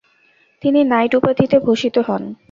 তিনি "নাইট" উপাধিতে ভূষিত হন।